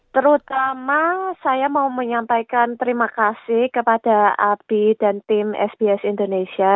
terutama saya mau menyampaikan terima kasih kepada abi dan tim sbs indonesia